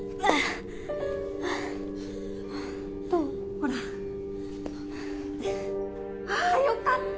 ほらああよかった！